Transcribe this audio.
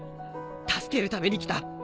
助けるために来た。